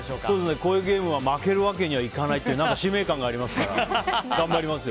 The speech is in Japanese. こういうゲームは負けるわけにはいかないという使命感がありますから頑張りますよ。